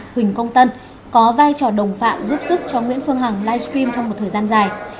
huỳnh công tân có vai trò đồng phạm giúp sức cho nguyễn phương hằng livestream trong một thời gian dài